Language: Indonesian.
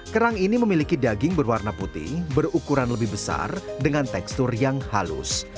kerang ini memiliki daging berwarna putih berukuran lebih besar dengan tekstur yang halus